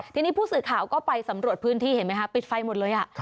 ทีนี้ผู้สื่อข่าวก็ไปสำรวจพื้นที่เห็นไหมคะปิดไฟหมดเลย